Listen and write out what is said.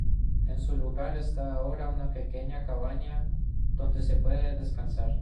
En su lugar está ahora una pequeña cabaña donde se puede descansar.